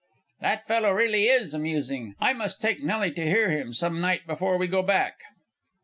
That fellow really is amusing. I must take Nellie to hear him some night before we go back.